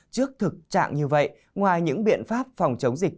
trước thực trạng như vậy ngoài những biện pháp phòng chống dịch